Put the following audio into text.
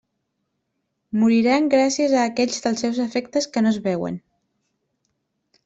Moriran gràcies a aquells dels seus efectes que no es veuen.